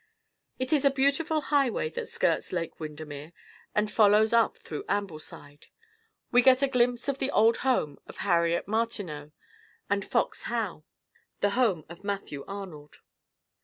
It is a beautiful highway that skirts Lake Windermere and follows up through Ambleside. We get a glimpse of the old home of Harriet Martineau, and "Fox Howe," the home of Matthew Arnold.